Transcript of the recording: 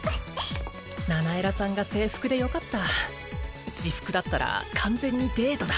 ナナエラさんが制服でよかった私服だったら完全にデートだ